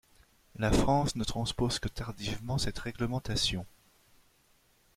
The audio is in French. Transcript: La France ne transpose que tardivement cette réglementation.